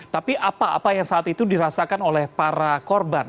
tapi apa apa yang saat itu dirasakan oleh para korban